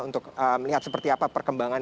untuk melihat seperti apa perkembangan